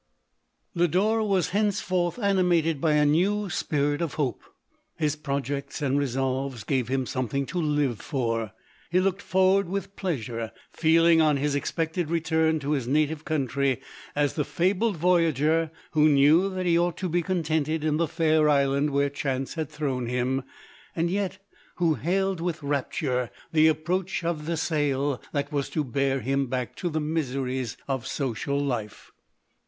Lodore was henceforth animated by a new spirit of hope. His projects and resolves gave him something to live for. He looked forward with pleasure ; feeling, on his expected return to his native country, as the fabled voyager, who knew that he ought to be contented in the fair island where chance had thrown him, and yet who hailed with rapture the approach of the sail that was to bear him back to the miseries •218 LODORE. of social life.